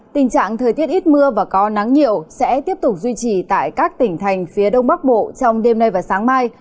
tình trạng thời tiết ít mưa và có nắng nhiều sẽ tiếp tục duy trì tại các tỉnh thành phía đông bắc bộ trong đêm nay và sáng mai